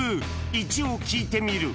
一応、聞いてみる。